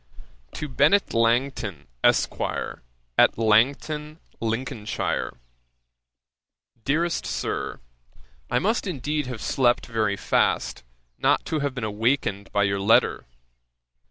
'To BENNET LANGTON, ESQ., AT LANGTON, LINCOLNSHIRE. 'DEAREST SIR, 'I must indeed have slept very fast, not to have been awakened by your letter.